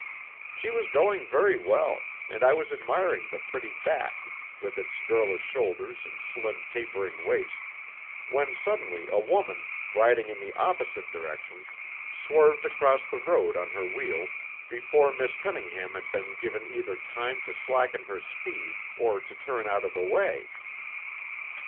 She was going very well, and I was admiring the pretty back with its girlish shoulders and slim tapering waist, when suddenly a woman, riding in the opposite direction, swerved across the road on her wheel, before Miss Cunningham had been given either time to slacken her speed or to turn out of the way.